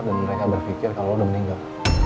dan mereka berpikir kalau lo udah meninggal